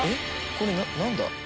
これ何だ？